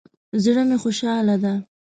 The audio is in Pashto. زړه می خوشحاله ده